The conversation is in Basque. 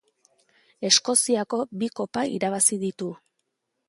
Eskoziako bi Kopa irabazi ditu.